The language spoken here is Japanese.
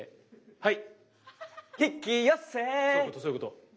はい。